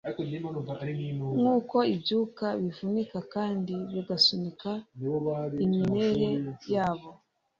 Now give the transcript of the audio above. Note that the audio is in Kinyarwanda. nkuko ibyuka bivunika kandi bigasunika enamel yabo